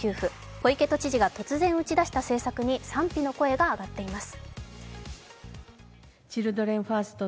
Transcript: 小池都知事が突然打ち出した政策に賛否の声が上がっています。